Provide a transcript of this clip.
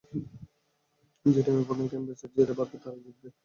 যে টিম প্রথমে ক্যাম্পসাইটে যেতে পারবে, তারাই জিতবে।